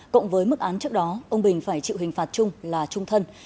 cộng với mức án trước đó ông bình phải chịu hình phạt chung là trung thân